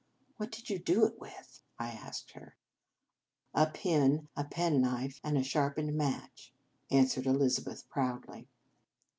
" What did you do it with? " I asked. "A pin, a penknife, and a sharp ened match," answered Elizabeth proudly.